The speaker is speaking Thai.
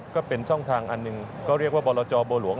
ก็เป็นช่องทางอันหนึ่งก็เรียกว่าบรจบัวหลวง